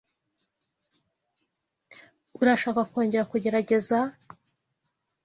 Urashaka kongera kugerageza?